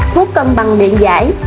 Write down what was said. hai thuốc cân bằng điện giải